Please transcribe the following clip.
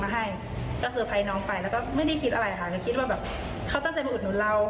เราคิดว่าแค่อาหารมื้อเดียวแต่แบบสำหรับบางคนคิดทำให้คนสิ่งทั้งประเทศเลย